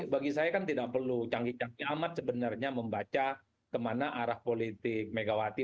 bagi saya kan tidak perlu canggih canggih amat sebenarnya membaca kemana arah politik megawati